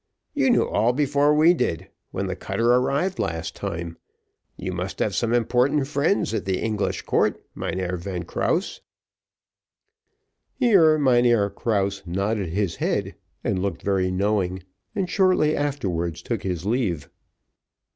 You knew all before we did, when the cutter arrived last time. You must have some important friends at the English court, Mynheer Van Krause." Here Mynheer Krause nodded his head, and looked very knowing, and shortly afterwards took his leave.